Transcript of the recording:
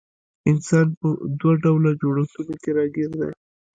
انسان په دوه ډوله جوړښتونو کي راګېر دی